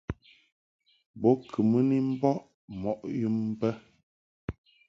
Bo kɨ mɨ ni mbɔʼ mɔʼ yum bə.